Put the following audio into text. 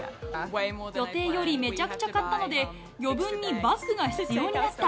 予定よりめちゃくちゃ買ったので、余分にバッグが必要になった。